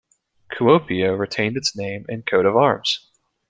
Kuopio retained its name and coat of arms.